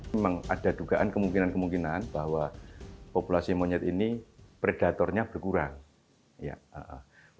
memang ada dugaan kemungkinan kemungkinan bahwa populasi monyet ini predatornya berkurang